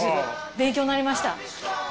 勉強になりました。